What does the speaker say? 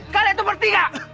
kalian itu bertiga